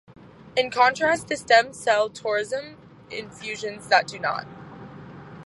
In contrast to stem cell tourism infusions that do not.